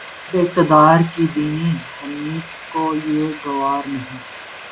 اربابِ اقتدارکی دینی حمیت کو یہ گوارا نہیں